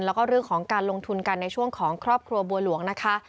แล้วก็เรื่องของการลงทุนกันในช่วงของครอบครัวบัวหลวงนะคะ